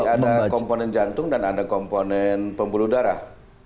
ada komponen jantung dan ada komponen pembuluh darah